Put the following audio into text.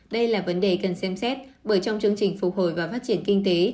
đây là vấn đề cần xem xét bởi trong chương trình phục hồi và phát triển kinh tế